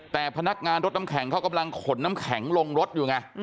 แต่พนักงานรถน้ำแข็งเขากำลังขนน้ำแข็งลงรถอยู่ไง